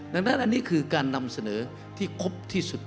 ดังนั้นอันนี้คือการนำเสนอที่ครบที่สุด